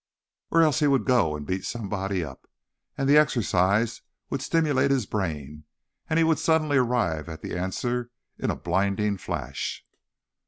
Or else he would go and beat somebody up, and the exercise would stimulate his brain and he would suddenly arrive at the answer in a blinding flash.